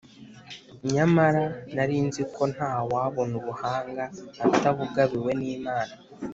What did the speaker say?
Nyamara nari nzi ko nta wabona ubuhanga, atabugabiwe n’Imana,